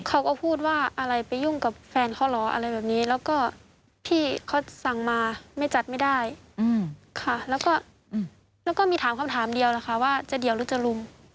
เขาก็พูดว่าอะไรไปยุ่งกับแฟนเขาเหรออะไรแบบนี้แล้วก็ที่เขาสั่งมาไม่จัดไม่ได้ค่ะแล้วก็มีถามคำถามเดียวนะคะว่าจะเดี่ยวหรือจะลุม